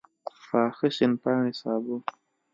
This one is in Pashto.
پاخه شین پاڼي سابه